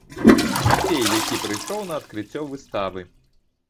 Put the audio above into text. Цімафей, які прыйшоў на адкрыццё выставы.